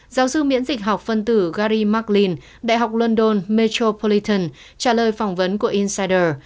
giáo sư miễn dịch học phân tử gary mclean đại học london metropolitan trả lời phỏng vấn của insider